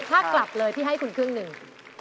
ถ้ากลับเลยพี่ให้คุณครึ่งหนึ่ง